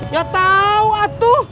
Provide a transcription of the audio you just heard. ya tau atuh